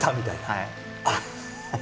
はい。